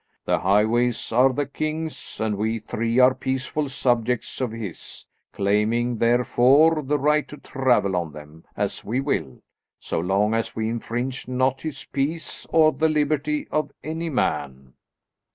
The highways are the king's, and we three are peaceful subjects of his, claiming, therefore, the right to travel on them as we will, so long as we infringe not his peace or the liberty of any man."